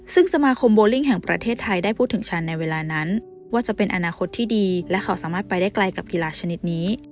ซึ่งสมาคมโบลิ่งแห่งประเทศไทยได้พูดถึงฉันในเวลานั้นว่าจะเป็นอนาคตที่ดีและเขาสามารถไปได้ไกลกับกีฬาชนิดนี้